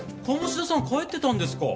鴨志田さん帰ってたんですか。